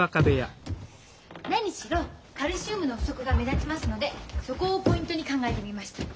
何しろカルシウムの不足が目立ちますのでそこをポイントに考えてみました。